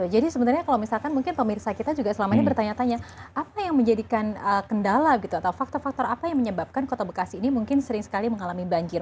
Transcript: jadi sebenarnya kalau misalkan mungkin pak mirsa kita juga selama ini bertanya tanya apa yang menjadikan kendala gitu atau faktor faktor apa yang menyebabkan kota bekasi ini mungkin sering sekali mengalami banjir